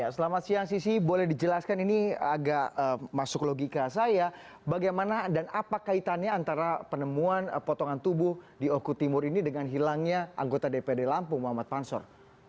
selamat siang sisi boleh dijelaskan ini agak masuk logika saya bagaimana dan apa kaitannya antara penemuan potongan tubuh di oku timur ini dengan hilangnya anggota dpd lampung muhammad pansor